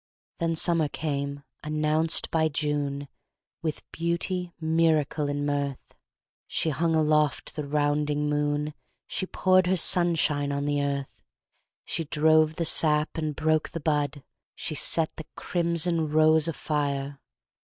Then summer came, announced by June, With beauty, miracle and mirth. She hung aloft the rounding moon, She poured her sunshine on the earth, She drove the sap and broke the bud, She set the crimson rose afire.